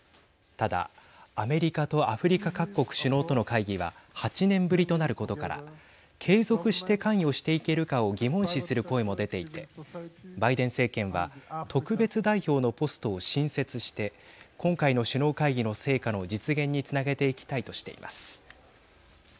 ただ、アメリカとアフリカ各国首脳との会議は８年ぶりとなることから継続して関与していけるかを疑問視する声も出ていてバイデン政権は特別代表のポストを新設して今回の首脳会議の成果の実現につなげていきたいとしています。